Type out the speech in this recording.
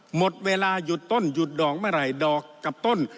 หมดเวลาหยุดต้นหยุดดอกเมื่อไหร่ดอกกับต้น